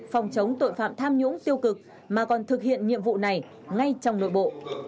phòng chống tội phạm tham nhũng tiêu cực mà còn thực hiện nhiệm vụ này ngay trong nội bộ